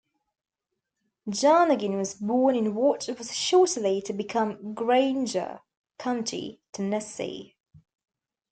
Jarnagin was born in what was shortly to become Grainger County, Tennessee.